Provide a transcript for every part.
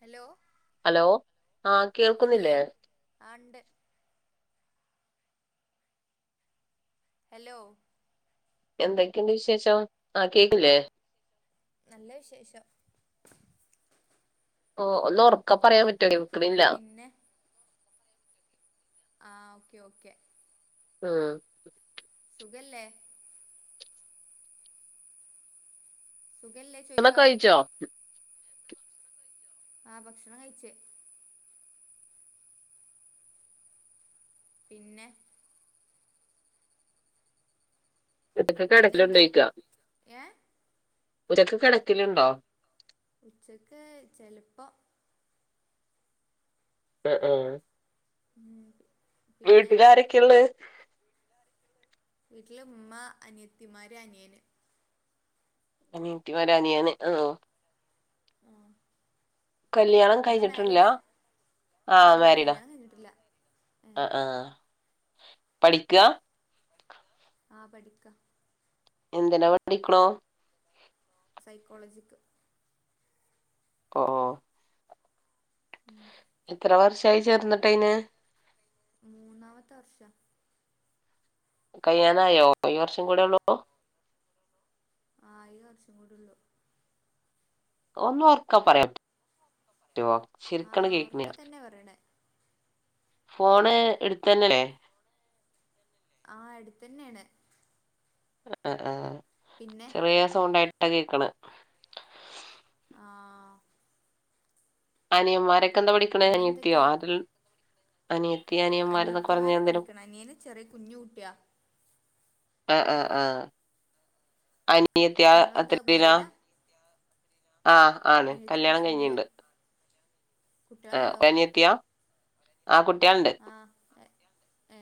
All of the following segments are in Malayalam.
ഹലോ ഹലോ ആ കേൾക്കുന്നില്ലേ? കേക്കണില്ലേ ആ ഉണ്ട് ഹലോ എന്തൊക്കെയുണ്ട് വിശേഷം ആ കേക്കില്ലേ? നല്ല വിശേഷം. ഓ ഒന്നു ഉറക്കപ്പറയാൻ പറ്റോയോ.? പിന്നെ. ആ ഓക്കെ ഓക്കെ. ആ. സുഖല്ലേ.? സുഖല്ലേ ഊണൊക്കെ ചോയ്ക്കാ. കഴിച്ചോ ആ ഭക്ഷണം കയിച്. പിന്നെ. ഇതൊക്ക പിന്നെന്താ കെടക്കലുണ്ടയ്ക്ക. ഏ ഉചക്ക് കെടക്കലുണ്ടോ.? ഉച്ചക്ക് ചെലപ്പോ. അ ആ. [inaudible] പിന്നെ വീട്ടുലാരൊക്കെയുള്ളെ.? വീട്ടില് മ്മ അനിയത്തിമാര് അനിയന്. അനിയത്തിമാര് അനിയന് ആ. [inaudible] കല്യാണം നിങ്ങള് കഴിഞ്ഞിട്ടില്ലാ മാരീഡാ ആ ഇല്ല മാരിഡാ. കല്യാണം കഴിഞ്ഞിട്ടില്ല ഏ അ ആ പഠിക്കാ.? ആ പഠിക്ക. എന്തിനാ പട്ടിക്ണു. സൈക്കോളജിക്ക്. ഒ ഓ. [inaudible] എത്ര വർഷായി ചേർന്നിട്ടയ്ന്? മൂന്നാമത്തെ വർഷാ. കയ്യാനായോ ഈ വർഷം കൂടെ ഒള്ളോ.? ആ ഈ വർഷംകൂടി ഒള്ളു. ഒന്ന് ഓർക്ക പറയാൻ പറ്റോ, ശെരിക്കണ്ട് ആഹ് ഓർക്ക കേക്ക്ണില്ല. തന്നെ പറയണേ ഫോണ് എടുത്തെന്ല്ലേ.? ആ എടുത്തന്നേണ്. അ അ ആ ചെറിയ സൗണ്ടായിട്ട കേക്കണ. [inaudible] ആ അനിയന്മാരൊക്കെ എന്താ പഠിക്ക്ണെ. അനിയത്തിയോ, പിന്നെന്തൊക്കെ അതുൽ, അനിയത്. അനിയത്തിമാര പഠിക്കണ, അനിയന് ചെറിയ കുഞ്ഞു കുട്ടിയാ. ആ ആആ അന്. നിയത്യാ ഇങ്ങളെന്താ മാരീഡാ [unintelligible] ആഹ് ആണ് അനിയത്തി കല്യാണം പ്ലസ് വണ്ണില് കഴിഞ്ഞിണ്ട്. ആ കുട്ടികളുണ്ടോ അനിയത്തിയ. ആ കുട്ടിയാൾണ്ട്. ആഹ് ഏ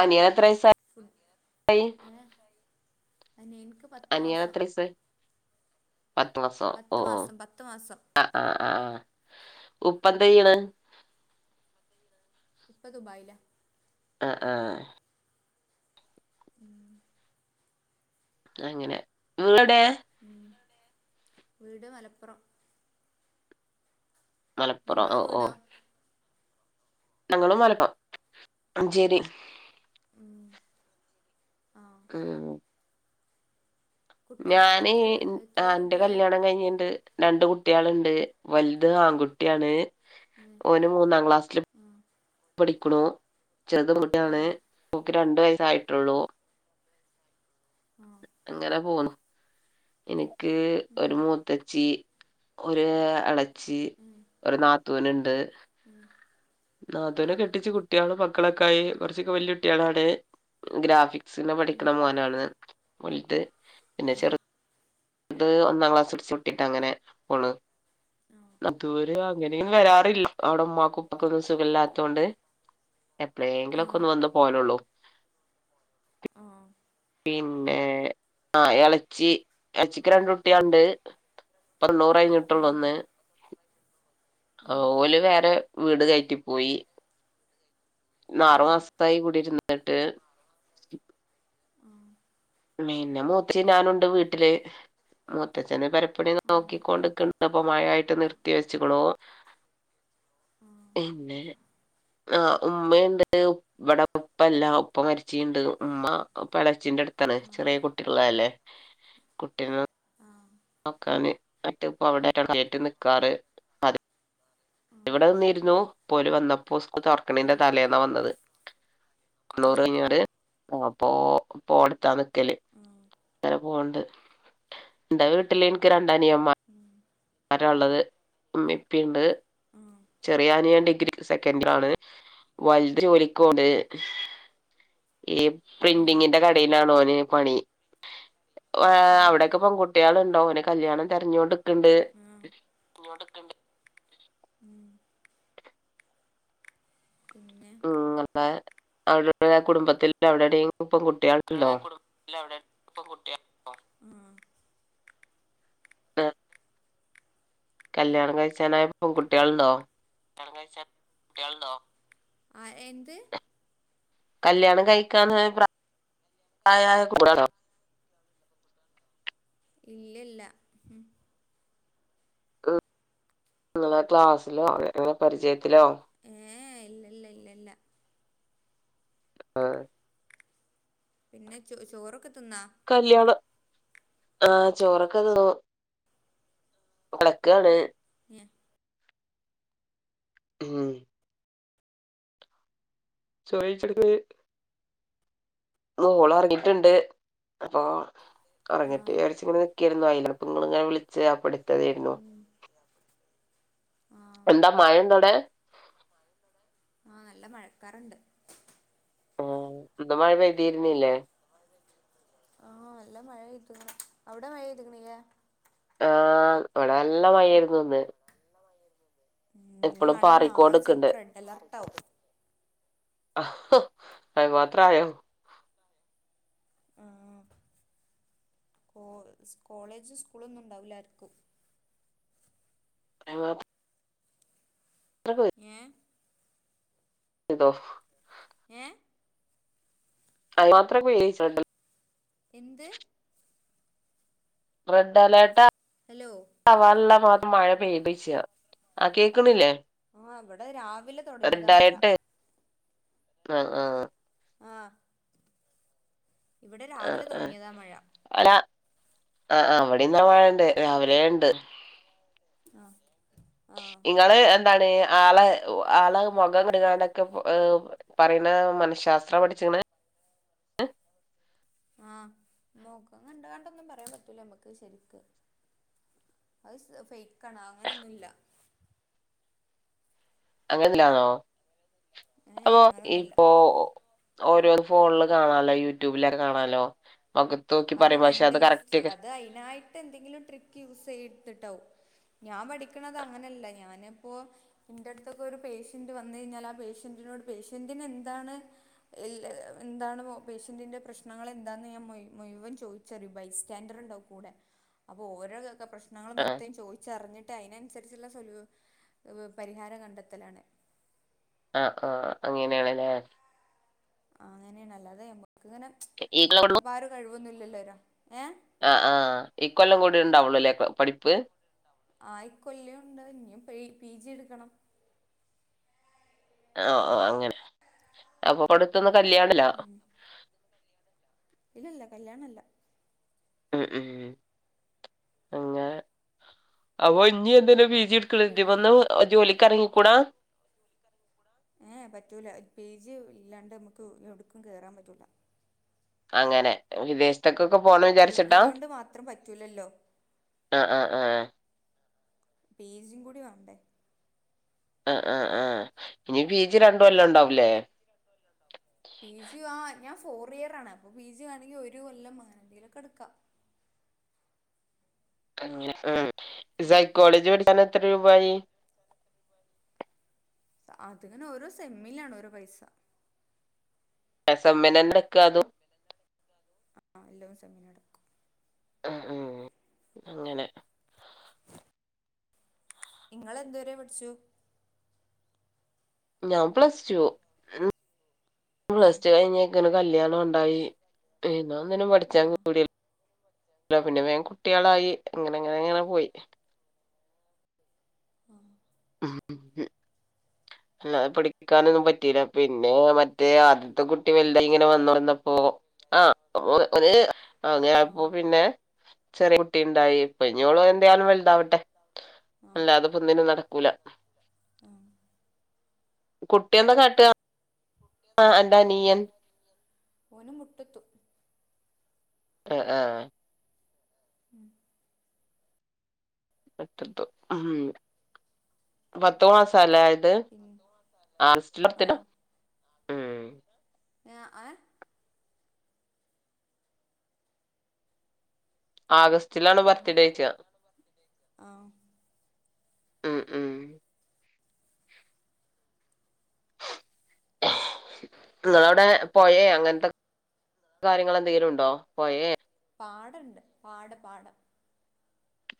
അനിയന് ഫുഡ് എത്രയ്സായി. അനിയൻക്ക് പത്ത് മാസം. പത്ത് മാസോ ഒ പത്ത് ഓ മാസം പത്ത് മാസം ആ ആ ആ ആ ഉപ്പ ന്തയ്ണ്. ഉപ്പ ദുബായില. അ ആ ആഹ്. [inaudible] അങ്ങനെ, നിങ്ങളെടെ. വീട് എവിടെ, വീട് മലപ്പുറം. മലപ്പുറം നിങ്ങളെ ഓ ഓ വീടോ ഞങ്ങളും മലപ്പുമഞ്ചേരി ഉം ആഹ് ഉ കുട്ടികള് ഞാൻ എത്ര എത്രയിലാ എന്റെ കുട്ടികള് കല്യാണം കഴിഞ്ഞിണ്ട് രണ്ട് കുട്ടിയാൾണ്ട് വലുത് ആൺകുട്ടിയാണ് ഉം ഓന് മൂന്നാം ക്ലാസ് ല് ആഹ് പഠിക്കുണു ചെറുത് പെൺകുട്ടിയാണ് ആഹ് ഓക്ക് രണ്ടു വയസായിട്ടുള്ളൂ അങ്ങനെ പോന്നു എനിക്ക് ഒരു മൂത്തച്ചി ഒരു എളച്ചി ഒരു നാത്തൂനുണ്ട് നാത്തൂനെ കെട്ടിച്ച് കുട്ടികളും മക്കളൊക്കെ ആയി കുറച്ചൊക്കെ വലിയ കുട്ടികളാണ് ഗ്രാഫിക് [unintelligible] പഠിക്ക്ണ മോനാണ് വൽത്പിന്നെ ചെറുത് അത് ഒന്നാം ക്ലാസ്ച്ച്ട്ടിട്ട് അങ്ങനെ ഓള് നാത്തൂമാര് അങ്ങനൊന്നും വരാറില്ല അവിടെ ഉമാക്കുപ്പാക്കൊന്നും സുഖമില്ലാത്തോണ്ട് എപ്പോളെ ങ്കിലൊക്കെ ഒന്ന് വന്ന് പോവലൊള്ളു പിന്നെ ആ ഇളച്ചി ഇളച്ചിക്ക് രണ്ട് കുട്ട്യാള്ണ്ട് തൊണ്ണൂറയ്ഞ്ഞ്ട്ടൊള്ളു ഒന്ന് ഓല് വേറെ വീട് കയറ്റി പോയി ആറു മാസത്തായി കൂടി ഇരുന്നിട്ട് പിന്നെ മൂചിം ഞാനുണ്ട് വീട്ടില് മൂത്തച്ഛന് പെരപ്പണി നോക്കിക്കോണ്ട്ക്ക്ണ് പം മയായിട്ട് നിർത്തി വെച്ച്ക്ക്ണൂ പിന്നെ ആ് ഉമ്മയുണ്ട് ഇവിടെ ഉപ്പല്ല ഉപ്പ മരിച്ചിട്ടുണ്ട് ഉമ്മ എളച്ചിന്റെ അടുത്ത് ത്ത ചെറിയ കുട്ടികള്ളല്ലേ കുട്ടീ നോക്കാന് ന്ട്ട് ഇപ്പ അവിടെ നിക്കാറ് ഇവിടെ നിന്നിരുന്നു പ്പോലെ വന്നപ്പോ സ്കൂള് തൊർക്ക്ണേന്റെ തലേന്നാ വന്നത് തൊണ്ണൂർ വന്നത് കഴിഞ്ഞോണ്ട് അപോ പോ അടുത്താ നിക്കല് ഉം അരെ പോവണ്ട് എന്റെ വീട്ടില് എനിക്ക് രണ്ടനിയമ്മാ ഉം ഉം ഉം വരാള്ളത് ഉമ്മിപ്പിയുണ്ട് ചെറിയ അനിയൻ ഡിഗ്രി സെക്കൻ ഡറി ആണ് വൽത ജോലിക്കോവ്ണ്ട് ഏ ഉം പ്രിന്റിങ്ങിന്റെ കടയിലാണ് ഓന് പണി ഉം അവിടൊക്കെ പെൺകുട്ട്യാള് ഓനെ കല്യാണം തെര്ഞ്ഞണ്ട് ആ ഉ ഇങ്ങോട്ടൊക്കെണ്ട് ഉ പിന്നെ ഉ അല്ല അവ്ടെ കുടുംബത്തിൽ അവിടെടെയും ഇങ്ങളെ കുടുംബത്തിൽ പെൺകുട്ടികൾ ഉണ്ടോ കല്യാണം കഴിച്ചാനായ പെൺകുട്ടികൾണ്ടോ കയ്ച്ച [unintelligible] ആ എന്ത് കല്യാണം കഴിക്കനായ പ്രായായ കൂട്ട്യാള്ണ്ടോ ഇല്ല ഇല്ല ഉ ഇങ്ങളെ ക്ലാസിലോ പരിചയത്തിലോ ഏ ഇല്ലില്ല ഇല്ലില്ല ആഹ പിന്നെ ചോ ചോറൊക്കെ തിന്നാ കല്യാണം ആഹ ചോറൊക്കെ തിന്നു കിടക്കാൻ എ ഉം ചോയ്ച്ചത് മോള് ഒറങ്ങിട്ടുണ്ട് അപ്പൊ ഒറങ്ങട്ടെ ആഹ് വിചാരിച്ചു നിക്കേർന്നു ആയി പ്പങ്ങളിങ്ങനെ വിളിച്ച അപ്പൊട് ത്തെതീർന്നു ഉം ആഹ് എന്താ മഴണ്ടവ്ടെ ആഹ നല്ല മഴക്കാറുണ്ട് ആ എന്ത മഴ പെയ്തിരുന്നില്ലേ ആഹ എല്ലാം മഴയ്തുകുണ് അവ്ടെ മഴെയ്തിക്കണില്യേ ആഹ് ഇവ്ടെ നല്ല മഴായിരുന്നു ഇന്ന് ഉം ഞ്ഞി ഇപ്പളും പാറിക്കോണ്ട് വേണെങ്കിനാളെ ചെലപ്പോ റെഡ് അലാർട്ട് ആവും ആ ഹ അത് മാത്രായോ ആഹ് കോ സ് കോളേജും സ്കൂളൊന്നും ഇണ്ടാവില്ലാർക്കും ആ അത്രക്ക് ഏ ഇതോ ഏ അത് മാത്ര [unintelligible] എന്ത് റെഡ് അലേർട്ട് ഹലോ ആവാള്ള മാത്രം മഴ പെയ്ത്യ്ച്ചാ ആ കേക്ക്ണില്ലേ ആഹ മവിടെ രാവിലെ തെടങ്ങിയതാ മഴ ആഹ ആഹ് ആഹ ഇവിടെ ആ രാവിലെ ആ തുടങ്ങിയതാ മഴ അല്ല ആ ആ ഇവിടെന്നാ മഴണ്ട് രാവിലേണ്ട് ആഹ നിങ്ങള് എ ന്താണ് ആള് ആള് മുഖം കണ്ട്കാണ്ടൊക്കെ മമ് പറിയണ മനഃശാസ്ത്രം പഠിച്ച് ക്കണ് [unintelligible] ആഹ മോഖം കണ്ട് കാണ്ടൊന്നും പറയാൻ പറ്റൂല നമ്മക്ക് ശരിക്ക് അത് ഫേക്കണ് അങ്ങനൊന്നുല്ല. അങ്ങനെല്ലാന്നോ ഏ അപ്പൊ അങ്ങനൊന്നുല്ല ഇപ്പോ ഓരോ ഫോണില് കാണാലോ യൂട്യൂബിലൊ കാണാലോ മുഖത്ത് നോക്കി അത് പറയും പക്ഷെ മെന്റലിസ്റ്റ്, കറക്റ്റ് അത് അയിനായിട്ടെന്തെങ്കിലും ട്രിക്ക് യൂസ് ചെയ്ത്ട്ടാവും ഞാൻ പഠിക്കണത് അങ്ങനെല്ല ഞാനിപ്പോ ന്റെ അടുത്തൊക്കെ ഒരു പേഷ്യന്റ് വന്ന് കഴിഞ്ഞാല് ആ പേ ഷ്യന്റിനോട് പേഷ്യന്റിനെന്താണ് എന്താണ് പേഷ്യന്റിന്റെ പ്രശ്നങ്ങൾ എന്താന്ന് ഞാൻ മോയി മുഴുവൻ ചോയിച്ചറിയും ബൈസ്റ്റാൻഡർണ്ടാവും കൂടെ അപ്പൊ ഓരോ പ്രശ്നങ്ങള് ആ മൊത്തം ചോയിച്ചറഞ്ഞിട്ട് അയിനന്സരി ച്ച്ള്ള സൊലൂ പരിഹാരം കണ്ടെത്തലാണ്. ആ ആ അങ്ങേനാണ് ലേ. ആ അങ്ങനെണ് അല്ലാതെ ഞമ്മക്ക്ങ്ങനെ ഈ കൊല്ലം ഞമ്മക്കിപ്പ ആ ഒരു കഴിവൊന്നുല്ലല്ലോ ഏ ആ ആ ഈ കൊല്ലം കൂടി ണ്ടാവുള്ളൂല്ലേ പ പഠിപ്പ് ആ ഇകൊല്ലുണ്ട് ഇനിയും പെ പി ജി എടുക്കണം. ഓ ഓ അങ്ങനെ അപ്പൊ അടുത്തൊന്ന് കല്യാണില്ലാ ഇല്ലല്ല കല്യാണല്ല. ഉം ഉം അങ്ങെ അപ്പൊ ഇഞ്ഞി എന്തേലും പി ജിക്ക് പിന്നെ എഴുതിവന്ന് ജോലിക്കെറങ്ങിക്കൂടാ? ഏ പറ്റൂല ഒരു പീ ജി ഇല്ലാണ്ട് അമ്മക്ക് എവടുക്കും കേറാൻ പറ്റൂല അങ്ങനെ വിദേശത്തൊക്ക ക്കപോണം വിചാർച്ചിട്ടാ ഡിഗ്രി കൊണ്ട് മാത്രം പറ്റൂലല്ലോ ആ ആ ആ പീ ജീം കൂടി വാണ്ടേ ആ ആ ആ ഇനി പീ ജി ര പീ ജി ആ ഞാ ഫോർ ഇയറാണ് അപ്പൊ പി ജി വാണെങ്കിൽ ഒരു കൊല്ലം അങ്ങനെന്തേലൊക്കെടുക്കാ സൈക്കോളജി പഠി കാനായി എത്ര രൂപായി? അത്ങ്ങനെ ഓരോ സെമ്മിലാണ് ഓരോ പൈസ. സെമ്മ്നെന്നെക്കാ അതും ആ എല്ലും സെമ്മിനെടക്കും ഉം ഉം അങ്ങനെ. ഇങ്ങളെന്ത് വരെ പട്ച്ചൂ? ഞാൻ plus two, A plus two കയിഞ്ഞ ങ്ങനെ കല്യാണം ണ്ടായി പിന്നൊന്നിനും ആ പഠിച്ചാൻ കൂടി ല്ല പിന്നെ വേം കുട്ട്യേളായി അങ്ങനെങ്ങനെങ്ങനെ പോയി ആ. ഉം. അല്ല അ പടിക്കാനൊന്നും പറ്റീല്ല പിന്നെ മറ്റേ ആദ്യത്തെ കുട്ടി വല്തായിങ്ങനെ വന്നു വന്നപ്പോ ആ അപ്പോ ഒരു ആ അപ്പോ പിന്നെ ചെറിയ ട്ടിണ്ടായി പ്പഞ്ഞോള് എന്തയാലും വെല്താവട്ടെ ആഹ് അല്ലാതെപ്പൊന്നിനു നട ആഹ് കുട്ട്യെന്താ കാട്ട ആ അൻ്റനീയൻ ഓന് മുട്ടത്തു ആ ആ. ഉം. പത്ത് മാസാലേ പിന്നെ [unintelligible] [unintelligible] ഏ അ ഏ ആഗസ്റ്റിലാണ് ബർത്ത്ഡേച്ചാ ആ. ഉം ഉം നിങ്ങളവിടെ പൊയേ അങ്ങനത്തെ കാര്യങ്ങൾ എന്തെങ്കിലു ഉണ്ടോ പൊയേ പാടണ്ട് പാട് പാടം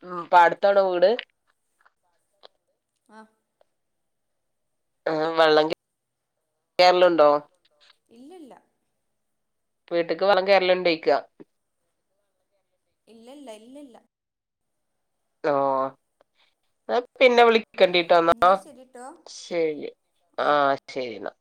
അ പാടത്താണ വീട് ആ ആ വെള്ളം കേറലുണ്ടോ? ഇല്ലല്ല വീട്ടക്ക് വളളം കേറലുണ്ടയിക്ക ഇല്ലല്ല ഇല്ല ഇല്ല ഹലോ ഞ പിന്നെ വിളി കണ്ടിട്ട് വന്നാ എന്നാ ശരിട്ടോ ശരി ആഹ് ശരി എന്നാ